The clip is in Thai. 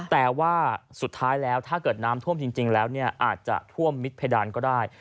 แต่ว่าสุดท้ายแล้วถ้าเกิดน้ำท่วมจริงแล้วเนี่ยอาจจะท่วมมิดเพดานก็ได้